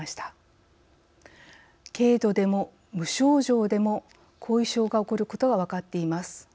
軽度でも無症状でも後遺症が起こることが分かっています。